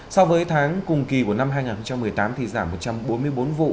so với tháng cùng kỳ của năm hai nghìn một mươi tám thì giảm một trăm bốn mươi bốn vụ